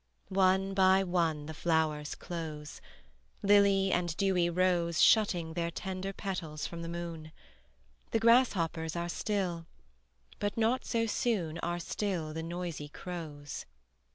One by one the flowers close, Lily and dewy rose Shutting their tender petals from the moon: The grasshoppers are still; but not so soon Are still the noisy crows.